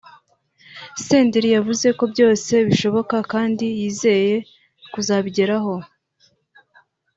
Senderi yavuze ko byose bishoboka kandi yizeye kuzabigeraho